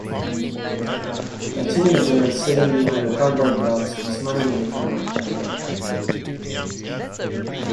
A teenager is sitting behind a cardboard box smiling at the camera.